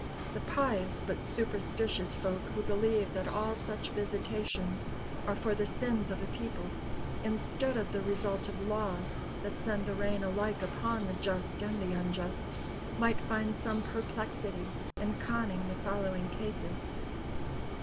The pious but superstitious folk who believe that all such visitations are for the sins of a people, instead of the result of laws that send the rain alike upon the just and the unjust, might find some perplexity in conning the following cases.